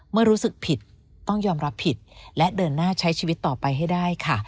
เมื่อรู้สึกผิดต้องยอมรับผิดและเดินหน้าใช้ชีวิตต่อไปให้ได้ค่ะ